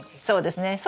そうですね。